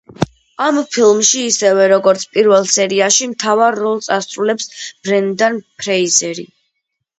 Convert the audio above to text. ამ ფილმში, ისევე როგორც პირველ სერიაში მთავარ როლს ასრულებს ბრენდან ფრეიზერი.